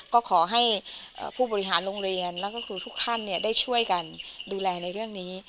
ก็ขอให้ผู้บริหารโรงเรียนแล้วก็ครูทุกท่านได้ช่วยกันดูแลในเรื่องนี้